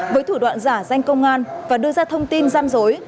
với thủ đoạn giả danh công an và đưa ra thông tin gian dối